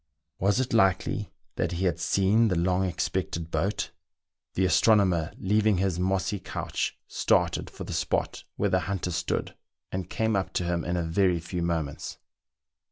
Was it likely that he had seen the long expected boat ? The astronomer, THREE ENGLISHMEN AND THREE RUSSIANS. 1 7 leaving his mossy couch, started for the spot where the hunter stood, and came up to him in a very few moments.